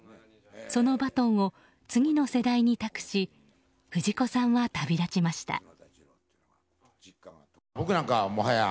そのバトンを次の世代に託し藤子さんは旅立ちました。